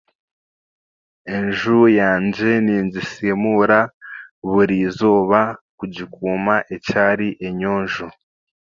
Enju yangye ningisiimuura buri eizooba kugikuuma ekyari enyonjo